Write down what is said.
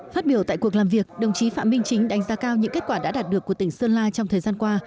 phát biểu tại cuộc làm việc đồng chí phạm minh chính đánh giá cao những kết quả đã đạt được của tỉnh sơn la trong thời gian qua